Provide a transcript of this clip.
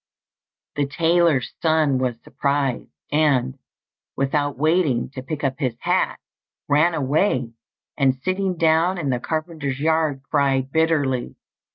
The tailor's son was surprised, and, without waiting to pick up his hat, ran away, and sitting down in the carpenter's yard, cried bitterly.